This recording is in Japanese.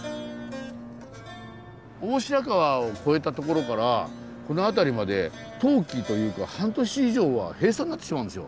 大白川を越えた所からこの辺りまで冬期というか半年以上は閉鎖になってしまうんですよ